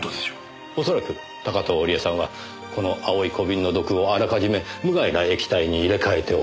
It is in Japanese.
おそらく高塔織絵さんはこの青い小瓶の毒をあらかじめ無害な液体に入れ替えておいた。